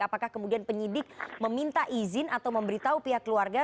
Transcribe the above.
apakah kemudian penyidik meminta izin atau memberitahu pihak keluarga